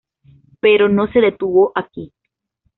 Pero no se detuvo aquí.